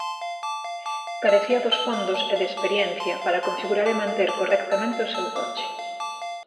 Carecía dos fondos e de experiencia para configurar e manter correctamente o seu coche.